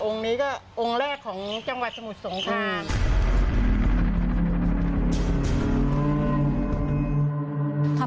นี้ก็องค์แรกของจังหวัดสมุทรสงคราม